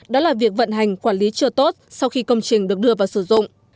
đó là việc vận hành quản lý chưa tốt sau khi công trình được đưa vào sử dụng